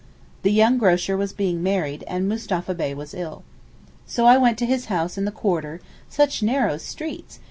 The young grocer was being married, and Mustapha Bey was ill. So I went to his house in the quarter—such narrow streets!